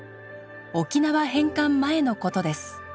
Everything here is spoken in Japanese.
沖縄返還前のことです。